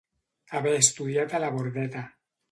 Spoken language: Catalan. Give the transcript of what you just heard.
Haver estudiat a la Bordeta.